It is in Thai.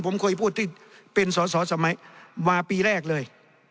ผมเคยพูดที่เป็นสอสอสมัยมาปีแรกเลย